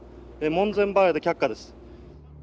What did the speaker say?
門前払いで却下です。